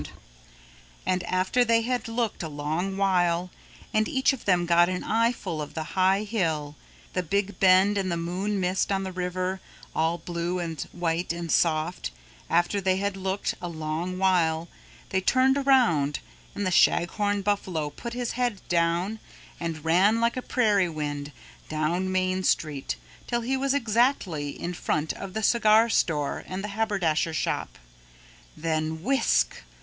[Illustration: So they stood looking] And after they had looked a long while, and each of them got an eyeful of the high hill, the big bend and the moon mist on the river all blue and white and soft, after they had looked a long while, they turned around and the Shaghorn Buffalo put his head down and ran like a prairie wind down Main Street till he was exactly in front of the cigar store and the haberdasher shop. Then whisk!